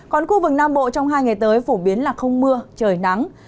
còn khu vực nam bộ trong hai ngày tới phổ biến là không mưa trời nắng